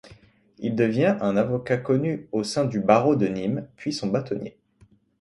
Il devient un avocat connu au sein du barreau de Nîmes, puis son bâtonnier.